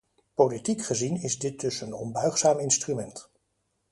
Politiek gezien is dit dus een onbuigzaam instrument.